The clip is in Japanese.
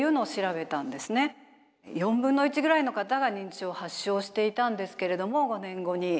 ４分の１ぐらいの方が認知症を発症していたんですけれども５年後に。